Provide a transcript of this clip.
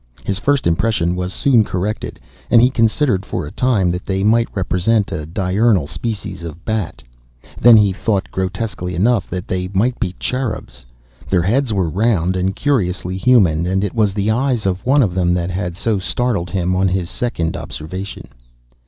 His first impression was soon corrected, and he considered for a time that they might represent a diurnal species of bat. Then he thought, grotesquely enough, that they might be cherubs. Their heads were round, and curiously human, and it was the eyes of one of them that had so startled him on his second observation.